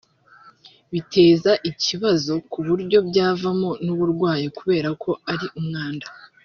biteza ikibazo ku buryo byavamo n’uburwayi kubera ko ari umwanda